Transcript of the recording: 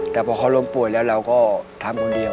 แต่พอเขาล้มป่วยแล้วเราก็ทำคนเดียว